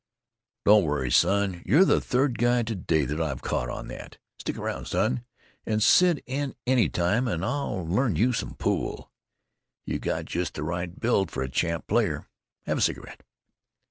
"Don't worry, son; you're the third guy to day that I've caught on that! Stick around, son, and sit in any time, and I'll learn you some pool. You got just the right build for a champ player. Have a cigarette?"